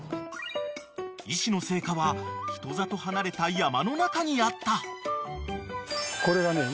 ［石の生家は人里離れた山の中にあった］